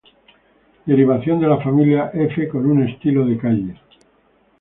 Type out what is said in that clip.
Derivación de la Familia F con un estilo de calle.